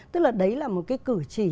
tức là đấy là một cái cử chỉ